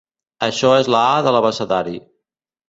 Això és la a de l’abecedari.